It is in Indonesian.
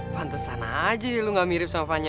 pantesan aja ya lo gak mirip sama fanya